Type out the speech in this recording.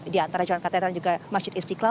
di antara jalan katedral juga masjid istiqlal